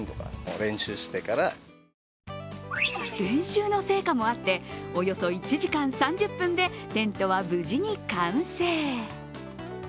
練習の成果もあって、およそ１時間３０分でテントは無事に完成。